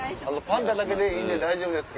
パンダだけでいいんで大丈夫です。